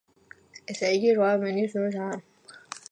ესე იგი, რვას მინუს ორი უდრის ექვსს.